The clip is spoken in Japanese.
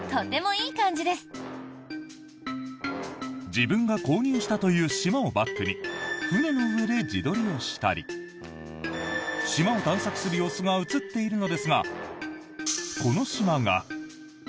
自分が購入したという島をバックに船の上で自撮りをしたり島を探索する様子が映っているのですがこの島が。